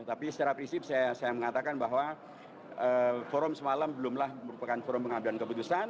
tapi secara prinsip saya mengatakan bahwa forum semalam belumlah merupakan forum pengambilan keputusan